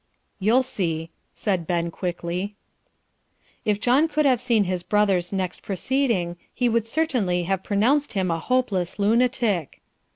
"You'll see," said Ben quickly. If John could have seen his brother's next proceeding he would certainly have pronounced him a hopeless lunatic.